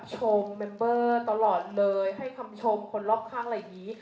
ชมคนรอบข้างอะไรอย่างนี้